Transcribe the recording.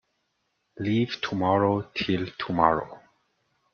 Leave tomorrow till tomorrow.